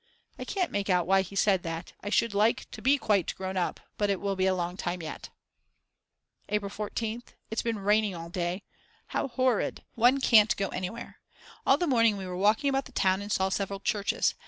I can't make out why he said that; I should like to be quite grown up; but it will be a long time yet. April 14th. It's been raining all day. How horrid. One can't go anywhere. All the morning we were walking about the town and saw several churches.